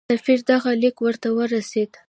سفیر دغه لیک ورته ورسېد.